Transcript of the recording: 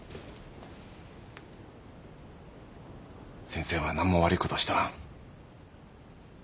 先生は何も悪いことしとらん。